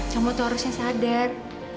kamu harusnya sadar